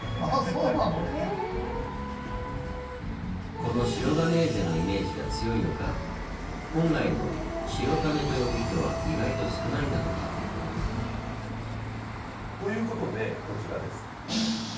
この「シロガネーゼ」のイメージが強いのか本来の「シロカネ」と呼ぶ人は意外と少ないんだとか。ということでこちらです。